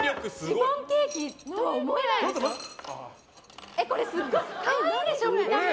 シフォンケーキとは思えないでしょ？